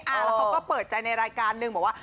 แล้วเขาก็เปิดใจในรายการนึงบอกว่า